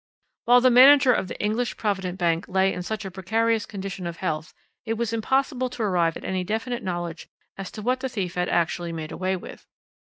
"While the manager of the English Provident Bank lay in such a precarious condition of health, it was impossible to arrive at any definite knowledge as to what the thief had actually made away with.